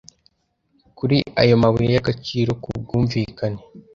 kuri ayo mabuye y agaciro ku bwumvikane